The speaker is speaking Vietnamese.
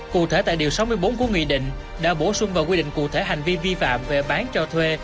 cụ thể tại điều sáu mươi bốn của nghị định đã bổ sung và quy định cụ thể hành vi vi phạm về bán cho thuê